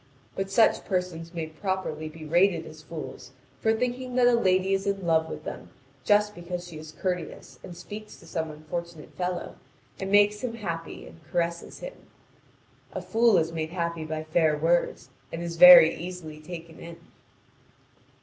But such persons may properly be rated as fools for thinking that a lady is in love with them just because she is courteous and speaks to some unfortunate fellow, and makes him happy and caresses him. A fool is made happy by fair words, and is very easily taken in.